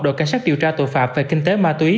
đội cảnh sát điều tra tội phạm về kinh tế ma túy